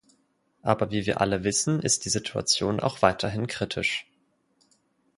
Aber wie wir alle wissen, ist die Situation auch weiterhin kritisch.